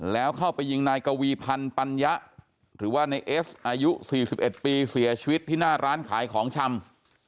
แล้วเข้าไปยิงนายกวีพันธ์ปัญญะหรือว่าในเอสอายุ๔๑ปีเสียชีวิตที่หน้าร้านขายของชำ